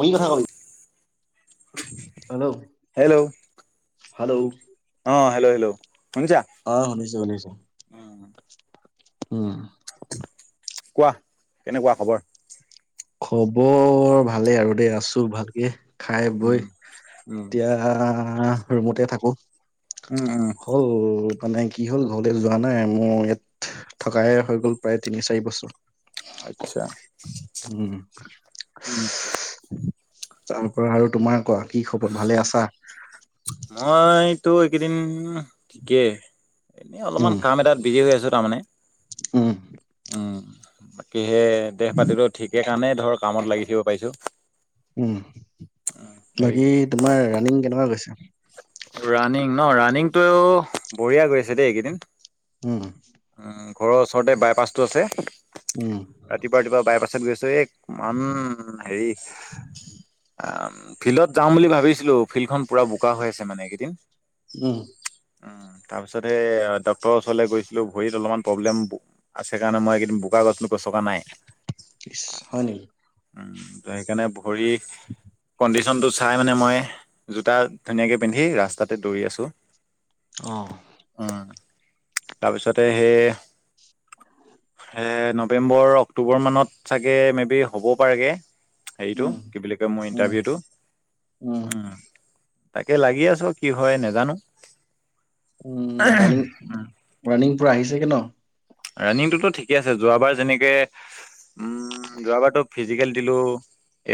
কি কথা কবি, হেল্ল' হেল্ল' হেল্ল' অঁঃ হেল্ল' হেল্ল' শুনিছা অঁঃ শুনিছো শুনিছো উম কোৱা কেনেকুৱা খবৰ খবৰ ভালেই আৰু দেই আছো ভালকে। খাই উম বৈ উম এতিয়া, অঁঃ ৰুমতে থাকো। উম উম হল মানে কি হ'ল ঘৰলৈ যোৱা নাই মোৰ ইয়াত থকাই হৈ গ'ল প্ৰায় তিনি চাৰি বছৰ। আচ্ছা উম উম তাৰ পৰাৰ আৰু তোমাৰ কোৱা, কি খবৰ ভালে আছা? ত' এইকেইদিন ঠিকেই, এনেই অলপমান উম কাম এটাত বিজি হৈ আছো। তাৰমানে, উম উম তাকে। সেইয়ে দেহ পাতিটো ঠিকেই কাৰণে ধৰ কামত লাগি- দেখিব পাইছো উম লাগে। তোমাৰ ৰানিং কেনেকুৱা গৈছে? ৰাণিং ন ৰাণিংটো বঢ়িয়া গৈছে দেই এইকেইদিন। উম উম ঘৰৰ ওচৰতে বাইপাছটো আছে উম ৰাতিপুৱা ৰাতিপুৱা বাই পাছ চব ব্যস্তয়ে মানে হেৰি অ ফিল্ডত যাম বুলি ভাবিছিলো ফিল্ডখন পুৰা ৱা হৈ আছে মানে এইকেইদিন উম তাৰপিছত সেই ডক্তৰৰ ওচৰলৈ গৈছিলো ভৰিত অলপমান প্ৰব্লেম আছে কাৰণে মই এইদ বোকা গছকা নাই ইছ হয় নে উম ত' সেইকাৰণে ভৰি কণ্ডিশ্যনটো চাই মানে মই জোতা ধুনীয়াকে পিন্ধি ৰাস্তাতে দৌৰি আছো অ উম তাৰপিছতে সেই এ নৱেম্বৰ অক্টোবৰ মানত চাগে মে বি হ'বও পাৰেগে হেৰিটো উম কি বুলি কয় মোৰ উম ইন্টাৰভিউটো উম তাকে লাগি আছো কি হয় নাজানো উম ৰাণিং ৰাণিং পুৰা আহিছেগে ন ৰাণিংটোতো ঠিকে আছে যোৱাবাৰ যেনেকে উ যোৱাবাৰতো ফিজিকেল দিলো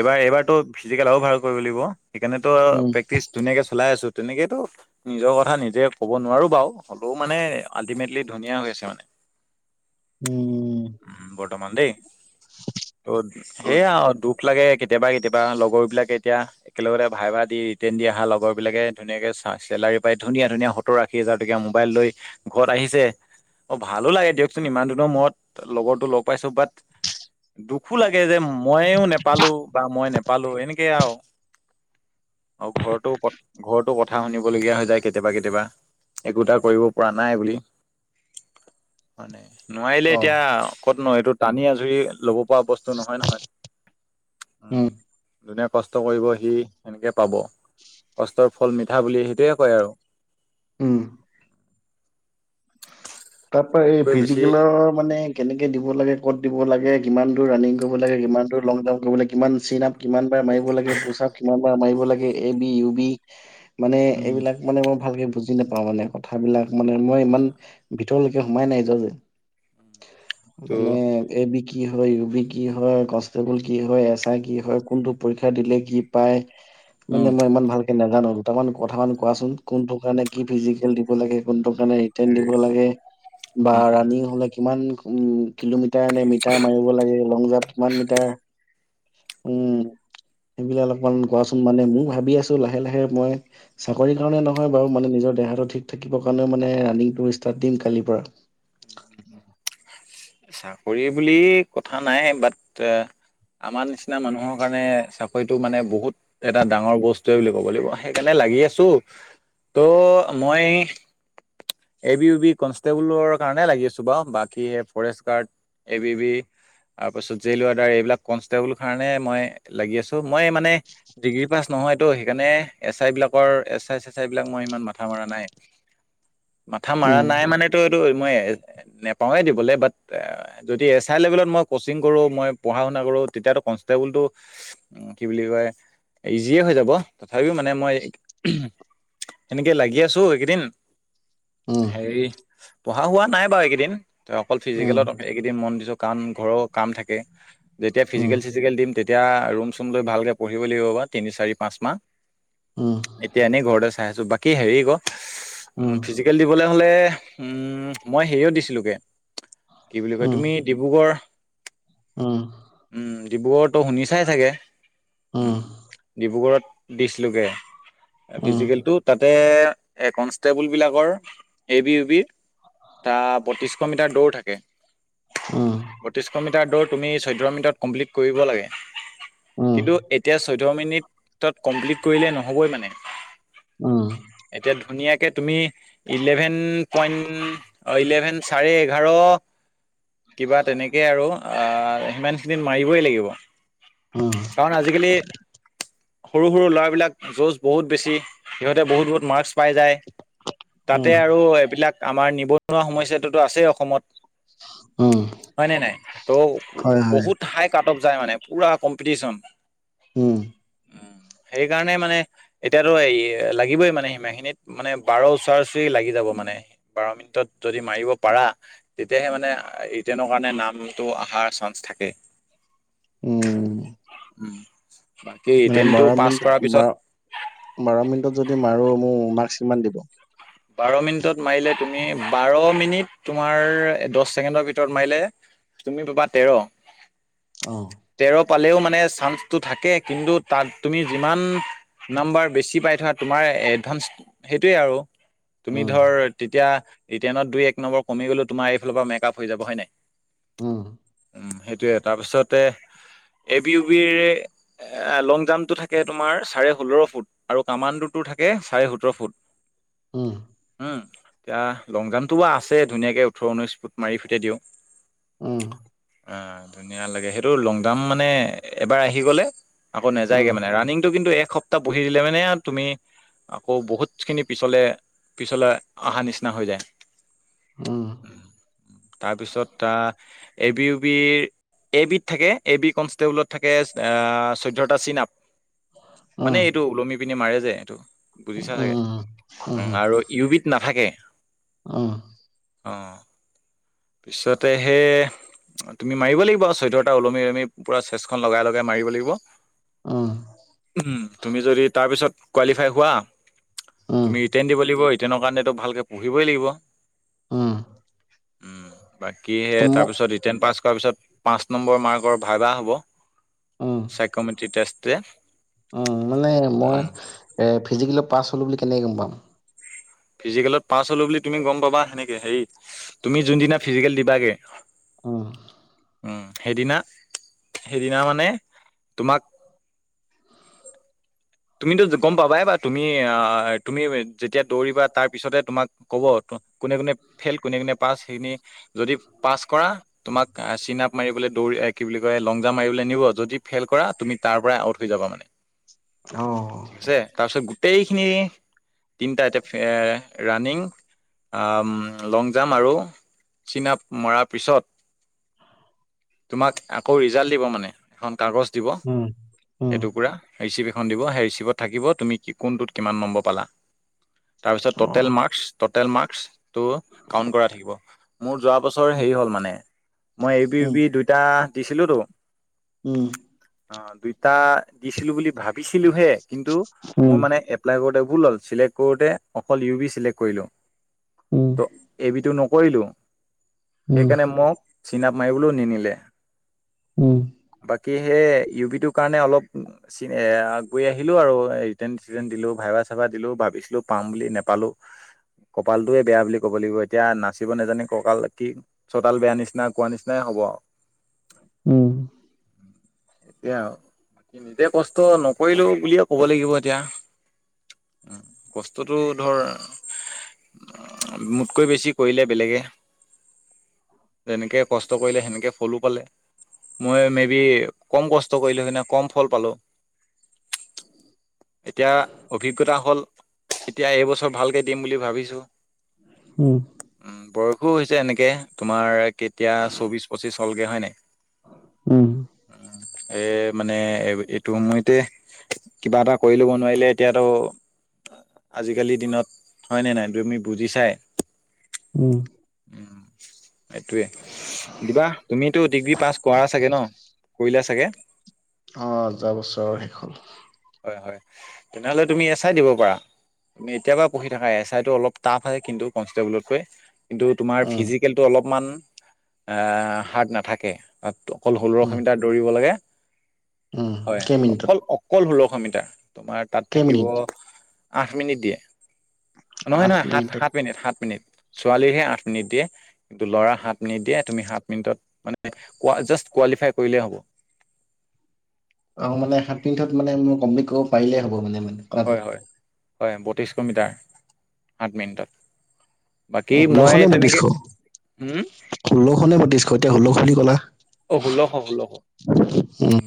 এইবাৰ এইবাৰত ফিজিকেল আৰু ভাল কৰিব লাগিব সেইকাৰণেটো উম প্ৰেক্টিছ ধুনীয়াকে চলাই আছো তেনেকেইটো নিজৰ কথা নিজে ক'ব নোৱাৰো বাৰু হ'লেও মানে আল্টিমেটলি ধুনীয়া হৈ আছে মানে উম উ বৰ্তমান দেই ত' সেয়া দুখ লাগে কেতিয়াবা কেতিয়াবা লগৰ বিলাকে এতিয়া একেলগতে ভাই ভা দি ৰিটাৰ্ণ দি অহা লগৰ বিলাকে ধুনীয়াকে চেলাৰী পাই ধুনীয়া ধুনীয়া সত্তৰ-আশী হাজাৰ টকীয়া মোবাইল লৈ ঘৰত আহিছে অ ভালো লাগে দিয়কচোন ইমান দূৰ এক মত লগৰতো লগ পাইছো বাট দুখো লাগে যে মইও নেপালো বা মই নেপালো এনেকেই আৰু আৰু ঘৰতো ঘৰতো কথা শুনিবলগীয়া হৈ যায় কেতিয়াবা কেতিয়াবা একোটা কৰিব পৰা নাই বুলি ম নোৱাৰি অ এতিয়া ন এইটো টানি আজুৰি ল'ব পোৱা বস্তু নহয় নহয় উম যোনে কষ্ট কৰিব সি সেনেকে পাব কষ্টৰ ফল মিঠা বুলি সেইটোৱে কয় আৰু উম তাৰ পৰা এই তাতকৈ বেছি ফিজিকেলৰ মানে কেনেকে দিব লাগে কত দিব লাগে কিমান দূৰ ৰাণিং কৰিব লাগে কিমান দূৰ লং জাম্প কৰিব লাগে কিমান চিন আপ কিমান মাৰিব লাগে পুষ আপ কিমান বাৰ মাৰিব হব লাগে এ বি ইউ বি। মানে উম এইবিলাক মানে ময় ভালকে বুজি নাপাওঁ মানে কথাবিলাক মানে মই ইমান ভিতৰলৈকে সোমাই নাই যোৱা যে। ত' মানে এইবি কি হয় ইউবি কি হয় কনষ্টেবল কি হয় এছ কি হয় কোনটো পৰীক্ষা দিলে কি পায় মানে উম মই ইমান ভালকে এ নাজানো দুতামান কথা মান উম, কোৱাচোন কোনটো কাৰণে কি ফিজিকেল দিম? কব লাগে কোনটো উম, কাৰণে হেৰি নিব লাগে বা উম ৰানি হলে কিমান [unintelligible] কিলোমিটাৰ। মিটাৰ নে মিটাৰ মাৰিব লাগে লং জাম্প কিমান মিটাৰ উম সেইবিলাক অলপমান কোৱাচোন মানে মোৰ ভাবি আছো লাহে, লাহে মই চাকৰি কাৰণে নহয় বাৰু মানে নিজৰ দেহাটো ঠিক থাকিব কাৰণেও মানে ৰানিং দৌৰা ষ্টাৰ্ট দিম কালিৰ পৰা। চাকৰি বুলি কথা নাই বাট এ আমাৰ নিচিনা মানুহৰ কাৰণে চাকৰিটো মানে বহুত এটা ডাঙৰ বস্তুৱে বুলি ক'ব লাগিব সেইকাৰণে লাগি আছো ত' মই এ বি ইউ বি কনষ্টেবলৰ কাৰনে লাগি আছো ব বাকী forest guard, A B B, তাৰ পিছত জল ৱৰ্ডাৰ এইবিলাক কনষ্টেবল কাৰণে মই লাগি আছো মই মানে ডিগ্ৰী পাছ নহয়তো সেইকাৰণে এছ আই বিলাকৰ এ আ বিলাক মই ইমান মাথা মৰা নাই মাথা মাৰ উম নাই মানেটো এইটো ময় নেপাও য়ে দিবলে বাত জদি এছ আই লেবেলত ময় কোচিং কৰো ময় পৰহা মোনা কৰো তেতিয়া টো কনিষ্টবল টো কি বোলি কয় ইজিয়ে হয় জাব। টঠাপিও মানে মই সেনেকে লাগি আছো এইকেইদিন। উম হেৰি পঢ়া হোৱা নাই বাৰু এইকেইদিন ত অকল উম ফিজিকেলত এইকেইদিন মন দিছো কাৰণ ঘৰৰ কাম থাকে। যেতিয়া উম ফিজিকেল চিজিকেল দিম তেতিয়া ৰুম চুম লৈ ভালকৈ পঢ়িব লাগিব বাৰু তিনি চাৰি পাঁচ মাহ উম এতিয়া এনেই ঘৰতে চাই আছোঁ বাকী হেৰিক ফিজিকেল দিবলৈ হ'লে মই সেয়ও দিছিলোগৈ কি বুলি কয় উম তুমি ডিব্ৰুগড় উম ডিব্ৰুগড়তো শুনি চাই ছাগে উম ডিব্ৰুগড়ত দিছিলগৈ উম উম ফিজিকেলটো তাতে কনষ্টেবলবিলাকৰ এ বি ইউ বি ত বত্ৰিশশ মিটাৰ দৌৰ থাকে। বত্ৰিশশ মিটাৰ দৌৰ তুমি চৈধ্য় মিনিটত কমপ্লিট কৰিব লাগে। উম কিন্তু এতিয়া চৈধয় মিনিটত কমপ্লিট কৰিলে নহবই মানে উম এতিয়া ধুনীয়াকে তুমি ইলেভেন পইণ্ট ইলেভেন চাৰেি এঘাৰ কিবা তেনেকৈ আৰু সিমানখিনিত মাৰিবই লাগিব উম কাৰণ আজিকালি সৰু সৰু ল'ৰাবিলাক যুঁজ বহুত বেছি সিহঁতে বহুত বহুত মাৰ্কচ পাই যায় তাতে উম উম আৰু এইবিলাক আমাৰ নিবনুৱা সমস্যা টোতো আছেই অসমত উম হয় নে নাই হয় [unintelligible] হয় বহুত হাইক,। কাট অফ যায় মানে পুৰা কম্পিটিচন উম উম, সেইকাৰণে মানে এতিয়াতো এই লাগিবই মানে সীমা খিনিত মানে বাৰ ওচৰ চৰি লাগি যাব মানে। বাৰ মিনিটত যদি মাৰিব পাৰা তেতিয়াহে মানে ৰিতেনৰ কাৰণে নামটো অহাৰ চান্স থাকে,। উম। উম। মানে বাৰ মিনিটত বাৰ বাৰ মিনিটত যদি আৰু মোক [unintelligible] মান দিব। বাৰ মিনিটত মাৰিলে তুমি বাৰ মিনিট তোমাৰ দহ ছেকেণ্ডৰ ভিতৰত মাৰিলে তুমি পাবা তেৰ। অ তেৰ পালেও মানে [unintelligible] চ থে কিন্তু ত তুি [unintelligible] যি্ব বেছি প থ তোমাৰ এভান সেইোৱ আৰু'। তুমি উম ধৰ তেতিয়া' ৰিটাৰ্ন দুই এক নম্বৰ কমি গলে উ' তোমাৰ ফালৰ পৰা মেকপ হৈ যাব হয় নাই'। উম উ' সেইটোয়ে তাৰ পিছতে, এ বি ই বিৰ লং জাম্প টো থাকে তোমাৰ চাৰে ষোল্ল ফুট আৰু কামাণ্ডো টো থাকে চাৰে সোতৰ ফুট। উম উম এতিয়া লং জাম্পটো বা আছে ধুনীয়াকে ওঠৰ ঊনৈশ ফুট মাৰি ফুটাই দিওঁ। উম উম' ধুনীয়া লাগে হেতো লং দাম মানে এবাৰ আহি গলে আক নযায়গে উম মানে, ৰানিিংটো কিন্তু এসপ্তাহ বহি দিলে মানে, তুমি আকৌ বহুত খিনি পিছলে পিছলৈ অহা নিচিনা হৈ যায়। উম'। তাৰপিছত এ বি ইউ বিৰ, এ বি ত থাকে, এ বি কনষ্টেবলত থাকে আ চৈধ্য়টা চিন, আপ মানে উম এইটো ওলমি পিনে মাৰে যায় এইটো, বুজিছা উম চাগে? উম উ' আৰু ইউবি নাথাকে। অঁ পিছতে সে, তুমি মাৰিব লাগিব আৰু চৈধ্যটা ওলমি ওলমি পুৰা চেষ্টখন লগাই লগাই মাৰিব লাগিব, উম তুমি যদি তাৰপিছত কোৱালিফাই হোৱা। উম উম তুমি ট্ৰেইন দিব লাগিব ৰিট্ৰেইনৰ কাৰণেতো ভালকে পঢ়িবই লাগিব, উম উম'। বাকী সে ত মোক তাৰপিছত ৰিটাৰ্ পাছ কৰাৰ পিছত পাঁচ নম্বৰ মাৰ্কৰ ভাই ভাই হ'ব। উম চাইক'মেট্ৰি টেষ্টে উম মই উম এ, ফি পাছ হলো বুলি কেনেকে গম পাম? ফিজিকেলত পাছ হলো বুলি তুমি গম পাবা সেনেকে, হেৰি তুমি যোনদিনা ফিজিকেল দিবাগে অঁ। উম' সেইদিনা সেইদিনা মানে তোমাক তুমিতো গম পাবা, এবা তুমি তুমি যেতিয়া দৌৰিবা তাৰ পিছতে তোমাক ক'ব কোনে কোনে ফেইল, কোনে কোনে পাছ সেইখিনি যদি পাছ কৰা, তোমাক চিন আপ মাৰিবলৈ দৌৰি কি বুলি কয় লং জাম মাৰিবলৈ নিব যদি ফেইল কৰা তুমি তাৰ পৰাই আউট হৈ যাবা মানে। অ ঠিক আছে, তাৰপিছত গোটেইখিনি তিনিটা এতিয়া ৰানিিং লং জাম্প আৰু চিন আপ মৰাৰ পিছত তোমাক আকৌ ৰিজাল্ট দিব মানে। এখন কাগজ দিব, উম উম এইটো পুৰা ঋচিপে [unintelligible] অ দিব সেই ৰিচিপত থাকিব তুমি কি কৰিব কোনটোত কিমান নম্বৰ পালা তাৰপিছত অ ট'টেল মাৰ্ক টোতেলমাকচটো কাউন্ট কৰাই থাকিব মোৰ যোৱা বছৰ হেৰী হল মানে মই এবি উম এবি দুইটা দিছিলোঁতো উম অ দুইটা দিছিলো বুলি ভাব ভাবিছিলিলোঁহে কিন্তু মই উম মানে এপ্লাই কৰোতে ভুল হৈছিলে অকল কৰোঁতে অকল ইউ বি চিলেক্ট কৰিলোঁ উম এইবিটো ন কৰিলো উম সেইকাৰণে মোক চিনাপ মাৰিবলৈও নিনিলে উম বাকী সেই ইউ বি তৰ কাৰণে অলপ চ এ গৈ আহিলো আৰু ৰিটেন চিটেন দিলো ভাইভা চাইভা দিলো ভাবিছিলো পাম বুলি নেপালো কপালটয়ে বেয়া বুলি কব লাগিব এতিয়া নাচিব নাজানি ককাল কি চোতাল বেয়া নিচিনা কোৱা নিচিনাই হব আৰু উ উ এয়া আৰু বাকী নিজে কষ্ট নকৰিলো বুলিয়ে ক'ব লাগিব এতিয়া কষ্টটো ধৰ মোতকৈ বেছি কৰিলে বেলেগে যেনেকে কষ্ট কৰিলে সেনেকে ফলো পালে মই মে বি কম কষ্ট কৰিলোঁ কিনে কম ফল পালোঁ এতিয়া অভিজ্ঞতা হ'ল এতিয়া এইবছৰ ভালকৈ দিম বুলি ভাবিছোঁ উম শো হৈছে এনেকে তোমাৰ কেতিয়া চৌবিশ পঁচিশ হলগে হয় নাই উম এ মানে এইটো সময়তে কিবা এটা কৰি ল'ব নোৱাৰিলে এতিয়াতো আজিকালি দিনত হয়নে নাই তুমি বুজি চাই উম এইটোৱেই দিবা তুমিতো ডিগ্ৰী পাছ কৰা চাগে ন কৰিলা চাগে অ যোৱা বছৰৰ শেষ হ'ল হয় হয় তেনেহলে তুমি এছ আই দিব পাৰা তুমি এতিয়া [unintelligible] পঢ়ি থাকা এছ আই টো অলপ টাফ আহ কিন্তু কনষ্টেবলতকৈ কিন্তু তোমাৰ উম ফিজিকেলটো অলপ অকমান এ হাৰ্ড নাথাকে অকল হৰু উম মিটাৰ দৌৰিব লাগে উম হয় কেইমিনিটত অকল অকল ষোল্লশ মিটাৰ তোমাৰ তাত থাকিব কেইমিনিট আঠ মিনিট দিয়ে নহয় আঠ নহয় সাত মিনিটত সাত মিনিট সাত মিনিট ছোৱালীহে আঠ মিনিট দিয়ে কিন্তু ল'ৰা সাত মিনিট দিয়ে তুমি সাত মিনিটত মানে জাষ্ট কোৱালিফাই কৰিলে হ'ব অ মানে সাত মিনিটত মানে মই কমপ্লিট কৰিব পাৰিলে হ'ব মানে মানে কথাটো হয় হয় হয় বত্ৰিছশ মিটাৰ আঠ মিনিটত বাকী ষোল্লশ মই নে বত্ৰিশ তেনেকে উম ষোল্লশ নে বত্ৰিশ এতিয়া ষোল্লশ নি কলা অ ষোল্ল শ ষোল্ল শ উম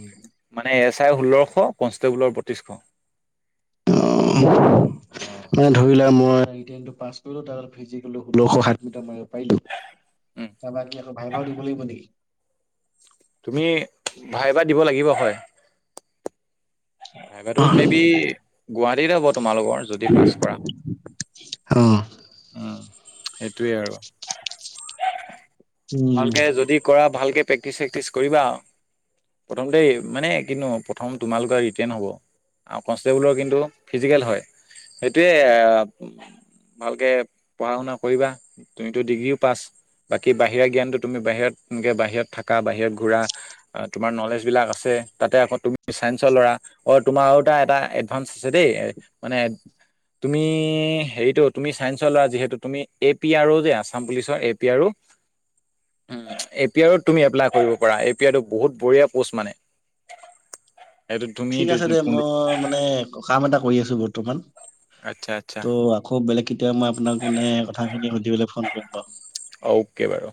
মানে এছ আই ষোল্লশ কনষ্টেবলৰ বত্ৰিশ অ মানে ধৰিলা মই এতিয়া পাছ কৰিলো তাত ফিজিকেলটো ষোল্লশ সাত মিটাৰ মাৰিলো পাৰ তাৰ কি আকৌ ভাই ভাও দিব লাগিব নেকি তুমি ভাই ভা দিব লাগিব হয়। ভাই ভা টো মে বি গুৱাহাটীত হব তোমালোকৰ যদি পাছ কৰা। অ অ সেইটোৱেই আৰু উম ভালকে যদি কৰা ভালকে প্ৰেক্টিচ চেক্টিছ কৰিবা আৰু প্ৰথমতে মানে কিনো প্ৰথম তোমালোকৰ ৰিটেৰ্ণ হ'ব আৰু কনষ্টেবলৰ কিন্তু ফিজিকেল হয়। সেইটোয়ে আহ ভালকে পঢ়া শুনা কৰিবা তুমিতো ডিগ্ৰীও পাছ বাকী বা বাহিৰা জ্ঞানটো তুমি বাহিৰত এনেকে বাহিৰত থাকা বাহিৰত ঘুৰা তোমাৰ নলেজ বিলাক আছে তাতে আকৌ তুমি চাইঞ্চৰ ল'ৰা অ তোমাৰ আৰু এটা এটা এডভাঞ্চ আছে দেই মানে তুমি হেৰিটোত তুমি চাইঞ্চৰ ল'ৰা যিহেটো তুমি এ পি আৰ অ' যে আছাম পুলিচৰ এ এপিআৰো এ পি আৰ তুমি এপ্লাই কৰিব পাৰা এপ এ পিৰ টো বহুত বঢ়িয়া পোষ্ট মানে এইটো তুমি ঠিক আছে দে দুই- পোন্ধৰ মই মানে কাম এটা কৰি আছো বহুত বৰ্তমান আচ্ছা আচ্ছা ত আখৌ বেলেগ কেতিয়া মই আপোনাক মানে কথাখিনি সুধিবলে ফোন কৰিম বাৰু অ'কে বাৰু